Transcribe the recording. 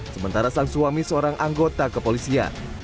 sementara sang suami seorang anggota kepolisian